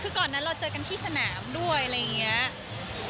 คือก่อนนั้นเราเจอกันที่สนามด้วยอะไรอย่างนี้